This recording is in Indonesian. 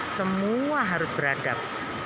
semua harus beradab